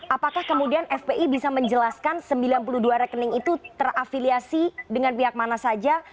apakah kemudian fpi bisa menjelaskan sembilan puluh dua rekening itu terafiliasi dengan pihak mana saja